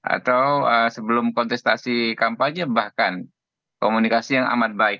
atau sebelum kontestasi kampanye bahkan komunikasi yang amat baik